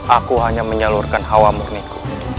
aku hanya menyalurkan hawa murniku